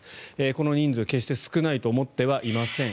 この人数決して少ないと思っていません